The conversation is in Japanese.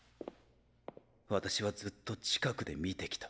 私はずっと近くで見てきた。